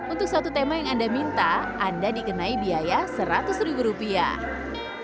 untuk satu tema yang anda minta anda dikenai biaya seratus ribu rupiah